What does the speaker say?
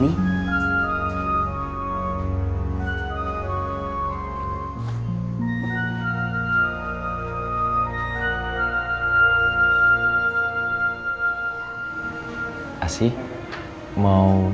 nunggu aja kan